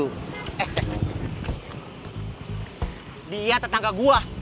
eh dia tetangga gua